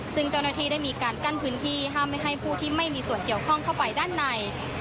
ซึ่งเจ้าหน้าที่ได้มีการกั้นพื้นที่ห้ามไม่ให้ผู้ที่ไม่มีส่วนเกี่ยวข้องเข้าไปด้านใน